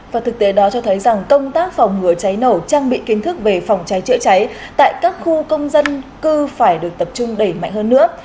và thực tế đó cho thấy rằng công tác phòng ngừa cháy nổ trang bị kiến thức về phòng cháy chữa cháy tại các khu công dân cư phải được tập trung đẩy mạnh hơn nữa